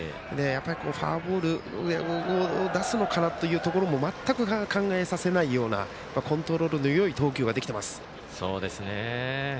フォアボールを出すのかなというところもまったく考えさせないようなコントロールのよい投球ができています。